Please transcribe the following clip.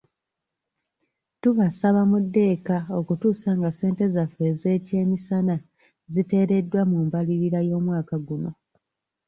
Tubasaba mudde eka okutuusa nga ssente zaffe ez'ekyemisana ziteereddwa mu mbalirira y'omwaka guno.